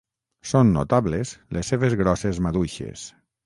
Són notables les seves grosses maduixes.